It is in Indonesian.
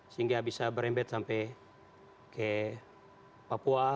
sehingga bisa berembet sampai ke papua